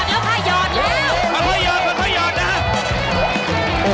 เรียวกว่านี้เอาไป